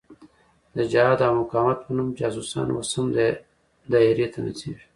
د جهاد او مقاومت په نوم جاسوسان اوس هم دایرې ته نڅېږي.